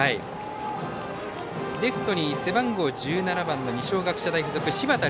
レフトに背番号１７番の二松学舎大付属柴田怜